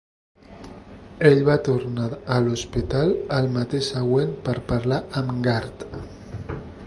Ell va tornar a l'hospital el matí següent per parlar amb Gart.